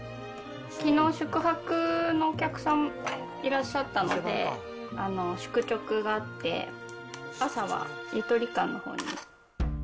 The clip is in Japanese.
きのう宿泊のお客さん、いらっしゃったので、宿直があって、朝はゆとり館のほうに。